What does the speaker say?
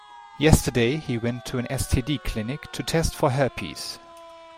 Yesterday, he went to an STD clinic to test for herpes.